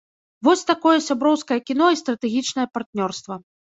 Вось такое сяброўскае кіно і стратэгічнае партнёрства.